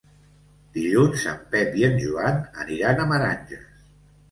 Dilluns en Pep i en Joan aniran a Meranges.